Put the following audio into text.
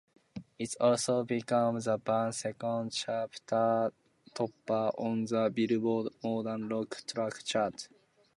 It also became the band's second chart-topper on the "Billboard" Modern Rock Tracks chart.